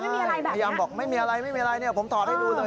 พยายามบอกไม่มีอะไรไม่มีอะไรผมถอดให้ดูเลย